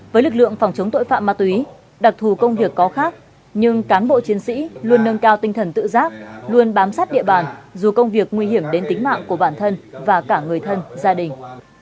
với lực lượng phòng chống tội phạm ma túy đặc thù công việc có khác nhưng cán bộ chiến sĩ luôn nâng cao tinh thần tự giác luôn bám sát địa bàn dù công việc nguy hiểm đến tính mạng của bản thân và cả người thân gia đình